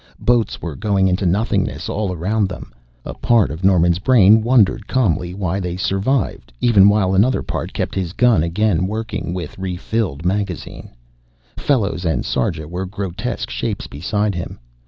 Boats were going into nothingness all around them. A part of Norman's brain wondered calmly why they survived even while another part kept his gun again working, with refilled magazine. Fellows and Sarja were grotesque shapes beside him.